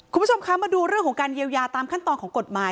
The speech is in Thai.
คุณผู้ชมคะมาดูเรื่องของการเยียวยาตามขั้นตอนของกฎหมาย